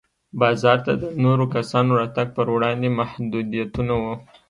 بازار ته د نورو کسانو راتګ پر وړاندې محدودیتونه وو.